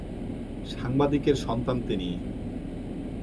সাংবাদিকের সন্তান তিনি।